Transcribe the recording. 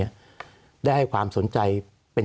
สวัสดีครับทุกคน